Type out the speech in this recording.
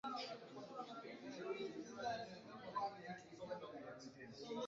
unakosa unakosa ule uhalali ambao